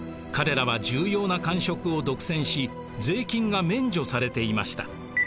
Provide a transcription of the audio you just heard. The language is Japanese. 彼らは重要な官職を独占し税金が免除されていました。